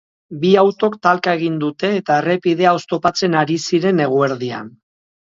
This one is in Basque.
Bi autok talka egin dute, eta errepidea oztopatzen ari ziren eguerdian.